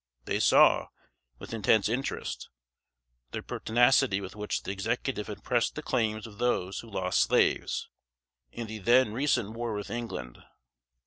They saw, with intense interest, the pertinacity with which the Executive had pressed the claims of those who lost slaves, in the then recent war with England.